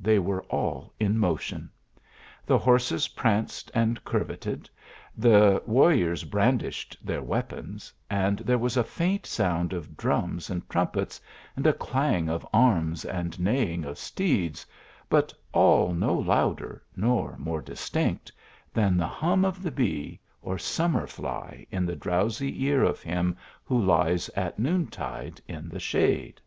they were all in motion. The horses pranced ,ind curveted, the warriors bran dished their weapons, and there was a faint sound of drums and trumpets, and a clang of arms and neighing of steeds, but all no louder, nor more dis tinct, than the hum of the bee or summer fly in the drowsy ear of him who lies at noon tide in the shade.